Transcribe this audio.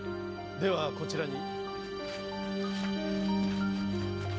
ではこちらに。